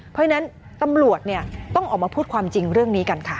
เพราะฉะนั้นตำรวจต้องออกมาพูดความจริงเรื่องนี้กันค่ะ